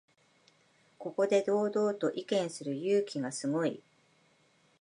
ここで堂々と意見する勇気がすごい